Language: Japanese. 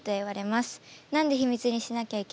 何で秘密にしなきゃいけないんですか？